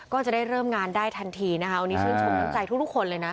ก็จะได้เริ่มงานได้ทันทีนะคะวันนี้ชื่นชมน้ำใจทุกคนเลยนะ